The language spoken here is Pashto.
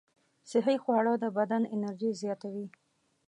صحي خواړه د بدن انرژي زیاتوي.